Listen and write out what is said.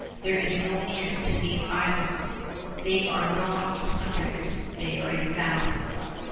There is no end to these islands. They are not in hundreds; they are in thousands.